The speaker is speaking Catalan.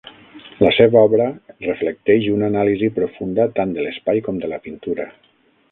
La seva obra reflecteix una anàlisi profunda tant de l'espai com de la pintura.